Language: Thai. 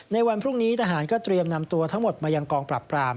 ในวันพรุ่งนี้ทหารก็เตรียมนำตัวทั้งหมดมายังกองปรับปราม